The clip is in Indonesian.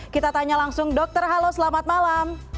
kita tanya langsung dokter halo selamat malam